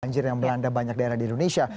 banjir yang melanda banyak daerah di indonesia